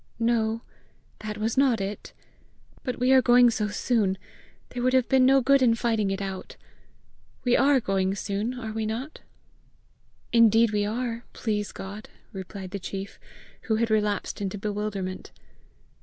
"No, that was not it. But we are going so soon, there would have been no good in fighting it out. We ARE going soon, are we not?" "Indeed we are, please God!" replied the chief, who had relapsed into bewilderment.